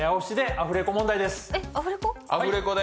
アフレコで。